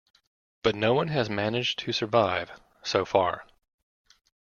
But no one has managed to survive... so far.